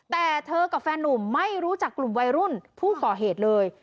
แต่เธอกับแฟนนุ่มไม่รู้จักกลุ่มวัยรุ่นผู้ก่อเหตุเลย